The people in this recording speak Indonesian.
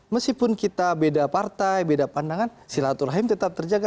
meskipun kita beda partai beda pandangan silaturahim tetap terjaga